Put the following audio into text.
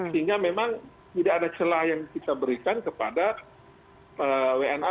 sehingga memang tidak ada celah yang kita berikan kepada wna